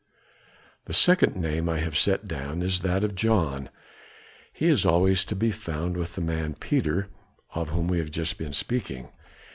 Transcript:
The second name I have set down is that of John, he is always to be found with the man Peter, of whom we have just been speaking.